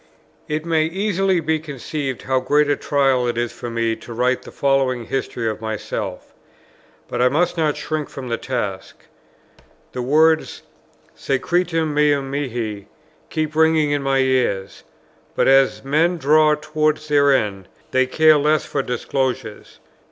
It may easily be conceived how great a trial it is to me to write the following history of myself; but I must not shrink from the task. The words, "Secretum meum mihi," keep ringing in my ears; but as men draw towards their end, they care less for disclosures.